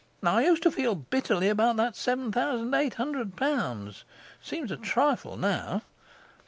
I used to feel bitterly about that seven thousand eight hundred pounds; it seems a trifle now!